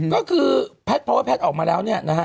ก็คือแพทย์เพราะว่าแพทย์ออกมาแล้วเนี่ยนะฮะ